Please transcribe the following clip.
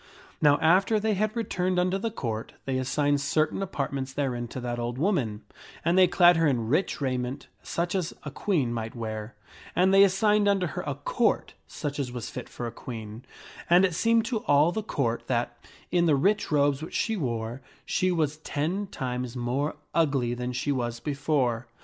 Now after they had returned unto the Court, they assigned certain 3 o8 THE STORY OF SIR GAWAINE apartments therein to that old woman, and they clad her in rich raiment such as a queen might wear, and they assigned unto her a Court such as was fit for a queen ; and it seemed to all the Court that, in the rich robes which she wore, she was ten times more ugly than old woman s h e was before.